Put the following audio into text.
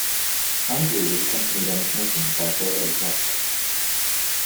Andrew was accompanied on this mission by brother Jacques.